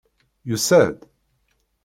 Yusa-d?